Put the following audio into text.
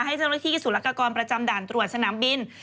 ให้เจ้าหน้าที่สุรกากรประจำด่านตรวจสนามบิน